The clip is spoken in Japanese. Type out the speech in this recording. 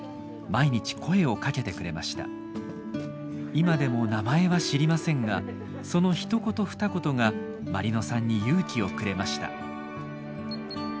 今でも名前は知りませんがそのひと言ふた言が毬乃さんに勇気をくれました。